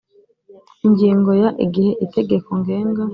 Ingingo ya Igihe itegeko ngenga